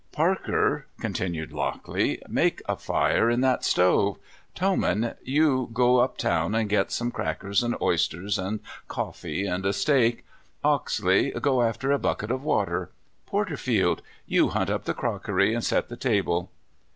''Parker," continued Lockley, make a fire in that stove. Toman, you go up town and get some crackers and oysters and coffee and a steak. Oxle3s go after a bucket of water. Porterfield, you hunt up the crockery and set the table."